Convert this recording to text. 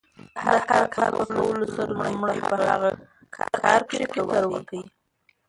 د هر کار په کولو سره، لومړی په هغه کار کښي فکر وکړئ!